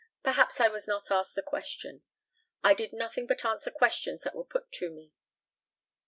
Perhaps I was not asked the question. I did nothing but answer questions that were put to me.